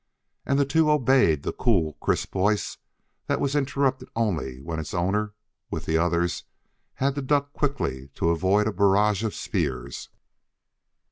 And the two obeyed the cool, crisp voice that was interrupted only when its owner, with the others, had to duck quickly to avoid a barrage of spears.